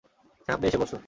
সামনে এসে বসো।